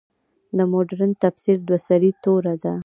د مډرن تفسیر دوه سرې توره ده.